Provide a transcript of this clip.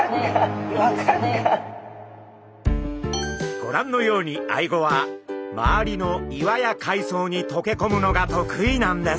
ご覧のようにアイゴは周りの岩や海藻に溶け込むのが得意なんです。